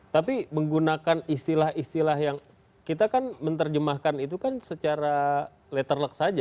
tapi menggunakan istilah istilah yang kita kan menerjemahkan itu kan secara letter luck saja